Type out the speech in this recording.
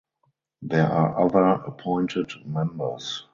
There are other appointed members.